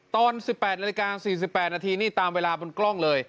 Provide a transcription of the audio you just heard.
ตอน๑๘นาฬิกา๔๘นาทีนี่ตามเวลาบนกล้องเลย